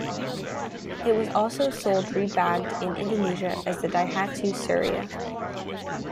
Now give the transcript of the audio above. It was also sold rebadged in Indonesia as the Daihatsu Ceria.